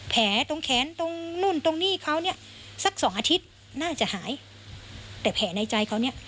แผลตรงแขนตรงนู่นตรงนี้เขาเนี่ยสักสองอาทิตย์น่าจะหายแต่แผลในใจเขาเนี่ย